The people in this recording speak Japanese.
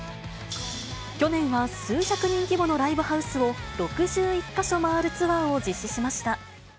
去年は数百人規模のライブハウスを６１か所回るツアーを実施しました。